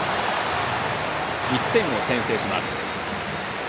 １点を先制します。